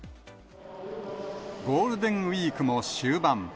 ゴールデンウィークも終盤。